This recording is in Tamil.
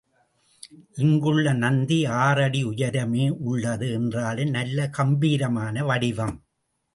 இங்குள்ள நந்தி ஆறு அடி உயரமே உள்ளது என்றாலும், நல்ல கம்பீரமான வடிவம்.